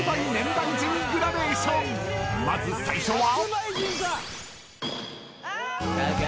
［まず最初は？］